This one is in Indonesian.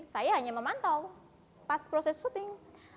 saya hanya memantau pas proses syuting